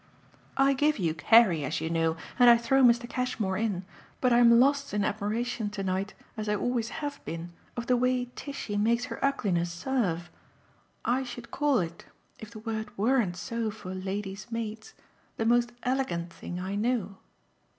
"I give you Carrie, as you know, and I throw Mr. Cashmore in; but I'm lost in admiration to night, as I always have been, of the way Tishy makes her ugliness serve. I should call it, if the word weren't so for ladies' maids, the most 'elegant' thing I know."